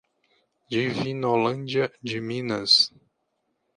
Divinolândia de Minas